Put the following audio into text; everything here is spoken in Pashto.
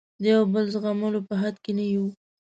د یو بل زغملو په حد کې نه یو.